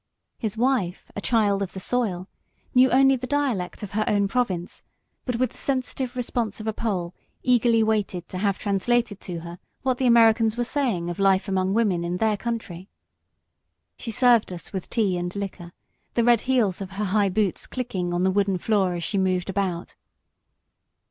His wife, a child of the soil, knew only the dialect of her own province, but with the sensitive response of a Pole, eagerly waited to have translated to her what the Americans were saying of life among women in their country. She served us with tea and liquor, the red heels of her high boots clicking on the wooden floor as she moved about.